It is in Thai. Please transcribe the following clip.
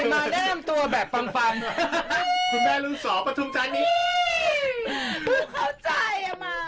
ไม่เข้าใจอ่ะมาย